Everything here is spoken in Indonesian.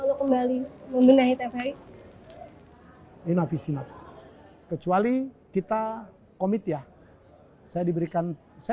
untuk kembali membenahi tvri inovasi nafi kecuali kita komit ya saya diberikan saya pernah menerima tvri berikutnya